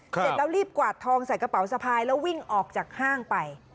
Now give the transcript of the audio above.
เสร็จแล้วรีบกวาดทองใส่กระเป๋าสะพายแล้ววิ่งออกจากห้างไป